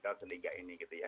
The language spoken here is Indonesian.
di seliga ini gitu ya